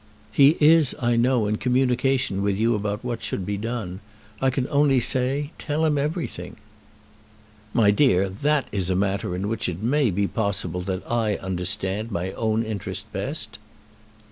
"He is, I know, in communication with you about what should be done. I can only say, tell him everything." "My dear, that is a matter in which it may be possible that I understand my own interest best."